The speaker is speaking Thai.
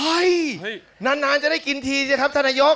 เฮ้ยนานจะได้กินทีเลยครับท่านไนยก